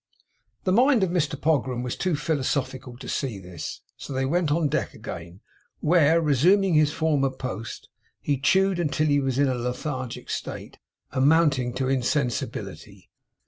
The mind of Mr Pogram was too philosophical to see this; so they went on deck again, where, resuming his former post, he chewed until he was in a lethargic state, amounting to insensibility.